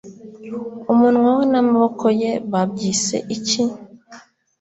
umunwa we n’amaboko ye babyise iki?